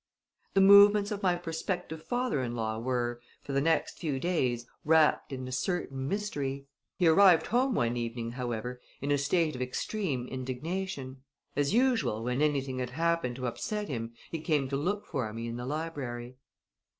The movements of my prospective father in law were, for the next few days, wrapped in a certain mystery. He arrived home one evening, however, in a state of extreme indignation. As usual when anything had happened to upset him he came to look for me in the library.